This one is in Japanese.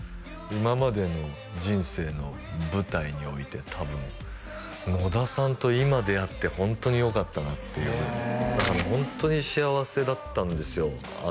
今までの人生の舞台において多分野田さんと今出会ってホントによかったなっていうぐらいだからホントに幸せだったんですよ